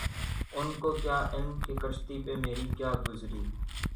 ان کو کیا علم کہ کشتی پہ مری کیا گزری